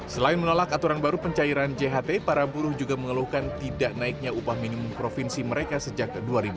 selain menolak aturan baru pencairan jht para buruh juga mengeluhkan tidak naiknya upah minimum provinsi mereka sejak dua ribu dua